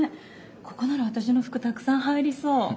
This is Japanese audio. ここなら私の服たくさん入りそう。